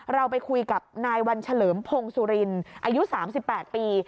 เราไปคุยกับนายวันเฉลิมพงศุรินอายุ๓๘ปี